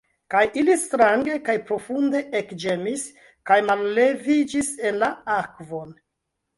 Kaj ili strange kaj profunde ekĝemis kaj malleviĝis en la akvon.